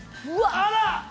あら！